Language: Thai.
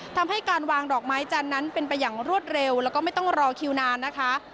ทำให้การวางดอกไม้จันทร์นั้นเป็นไปอย่างรวดเร็วแล้วก็ไม่ต้องรอคิวนานนะคะ